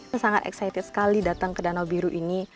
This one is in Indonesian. saya sangat teruja sekali datang ke danau biro ini